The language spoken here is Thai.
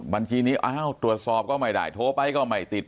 บัญชีนี้อ้าวตรวจสอบก็ไม่ได้โทรไปก็ไม่ติด